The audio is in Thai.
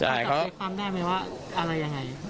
ใช่เขาความได้ไหมว่าอะไรอย่างไร